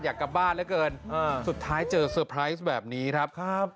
อยากกลับบ้านเหลือเกินสุดท้ายเจอเซอร์ไพรส์แบบนี้ครับครับ